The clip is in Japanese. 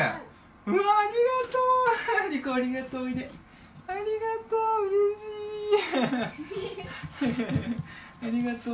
うわー、ありがとう。